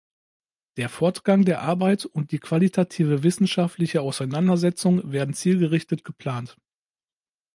Der Fortgang der Arbeit und die qualitative wissenschaftliche Auseinandersetzung werden zielgerichtet geplant.